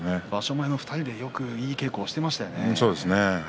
前２人でいい稽古をしていましたね。